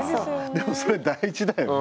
でもそれ大事だよね。